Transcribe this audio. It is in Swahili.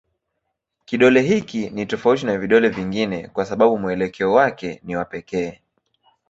Kidole hiki ni tofauti na vidole vingine kwa sababu mwelekeo wake ni wa pekee.